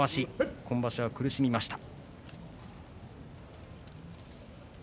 今場所は苦しみました。